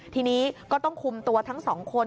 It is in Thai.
ทีนี้ก็ต้องคุมตัวทั้งสองคน